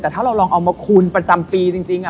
แต่ถ้าเราลองเอามาคูณประจำปีจริง